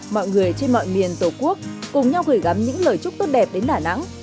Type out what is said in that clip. mọi người trên mọi miền tổ quốc cùng nhau gửi gắm những lời chúc tốt đẹp đến đà nẵng